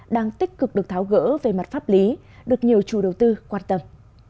đang tích cực được tháo gỡ về mặt pháp lý được nhiều chủ đầu tư quan tâm